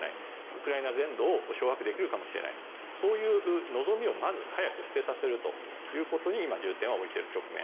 ウクライナ全土を掌握できるかもしれないという望みを早く捨てさせるということに今、重点を置いている局面。